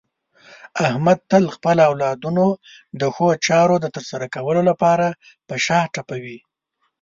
احمد تل خپل اولادونو د ښو چارو د ترسره کولو لپاره په شا ټپوي.